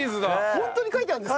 ホントに書いてあるんですか？